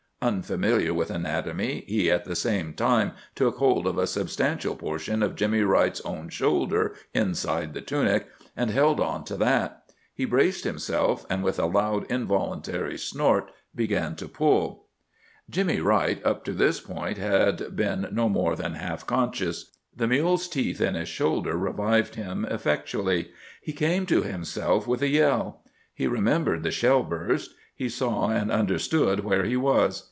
Unfamiliar with anatomy, he at the same time took hold of a substantial portion of Jimmy Wright's own shoulder inside the tunic, and held on to that. He braced himself, and with a loud, involuntary snort began to pull. Jimmy Wright, up to this point, had been no more than half conscious. The mule's teeth in his shoulder revived him effectually. He came to himself with a yell. He remembered the shell burst. He saw and understood where he was.